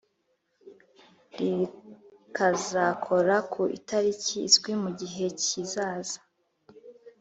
rikazakora ku itariki izwi mu gihe kizaza